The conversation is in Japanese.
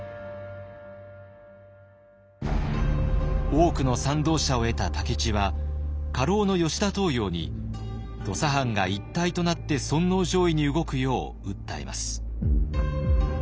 多くの賛同者を得た武市は家老の吉田東洋に土佐藩が一体となって尊皇攘夷に動くよう訴えます。